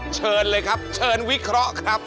เชิญเลยครับเชิญวิเคราะห์ครับ